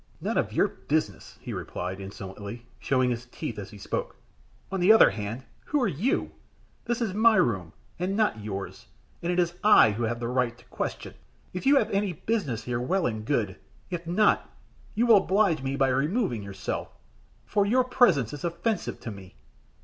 "None of your business," he replied, insolently, showing his teeth as he spoke. "On the other hand, who are you? This is my room, and not yours, and it is I who have the right to question. If you have any business here, well and good. If not, you will oblige me by removing yourself, for your presence is offensive to me."